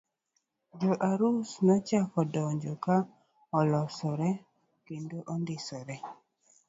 Jo arus nochako donjo ka olosre kendo ondisore.